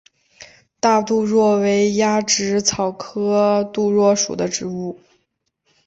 大杜若为鸭跖草科杜若属的植物。